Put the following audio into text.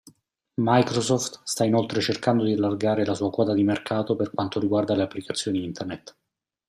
Microsoft sta inoltre cercando di allargare la sua quota di mercato per quanto riguarda le applicazioni Internet.